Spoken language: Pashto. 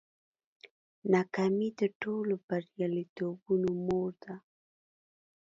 ناکامي د ټولو بریالیتوبونو مور ده.